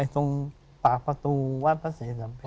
ตรงต่างประตูวัดพระเสธสำเพค